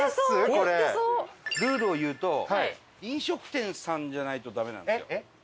ルールを言うと飲食店さんじゃないとダメなんですよ。